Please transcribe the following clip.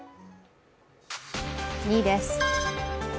２位です。